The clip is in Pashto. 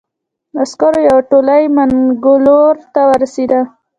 عسکرو یوه تولۍ منګلور ته ورسېده.